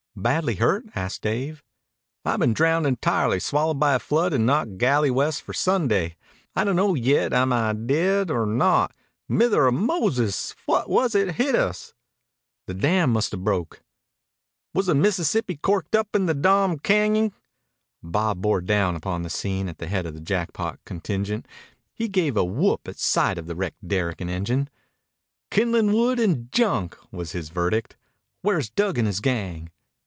"Badly hurt?" asked Dave. "I've been drowned intirely, swallowed by a flood and knocked galley west for Sunday. I don't know yit am I dead or not. Mither o' Moses, phwat was it hit us?" "The dam must have broke." "Was the Mississippi corked up in the dom cañon?" Bob bore down upon the scene at the head of the Jackpot contingent. He gave a whoop at sight of the wrecked derrick and engine. "Kindlin' wood and junk," was his verdict. "Where's Dug and his gang?"